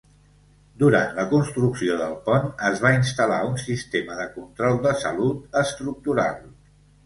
Durant la construcció del pont es va instal·lar un sistema de control de salut estructural.